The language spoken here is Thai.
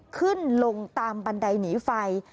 ขึ้นลงตามบันไดหนีไฟ